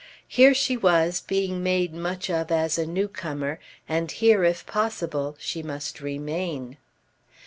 Here she was, being made much of as a new comer, and here if possible she must remain.